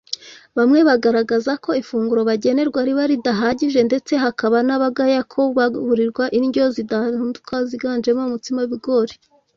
bamwe bagaragaza ko ifunguro bagenerwa riba ridahagije ndetse hakaba n’abagaya kubaburirwa indyo zidahinduko ziganjemo umutsima w’ibigori